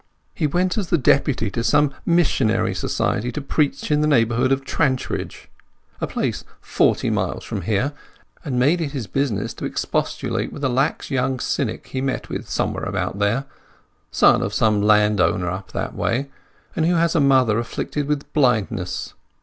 He went as the deputy of some missionary society to preach in the neighbourhood of Trantridge, a place forty miles from here, and made it his business to expostulate with a lax young cynic he met with somewhere about there—son of some landowner up that way—and who has a mother afflicted with blindness.